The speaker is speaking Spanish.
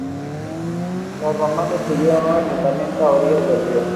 Los romanos tuvieron un asentamiento a orillas del río.